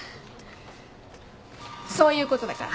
そういうことだから。